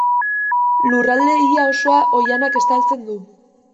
Lurralde ia osoa oihanak estaltzen du.